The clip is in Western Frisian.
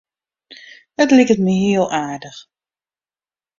It liket my hiel aardich.